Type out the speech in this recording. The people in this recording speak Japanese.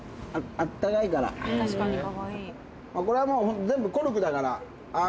これはもう全部コルクだから。